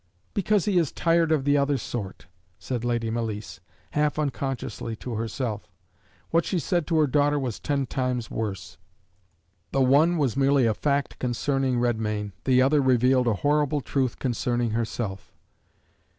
"Because he is tired of the other sort," said Lady Malice, half unconsciously, to herself. What she said to her daughter was ten times worse: the one was merely a fact concerning Redmain; the other revealed a horrible truth concerning herself.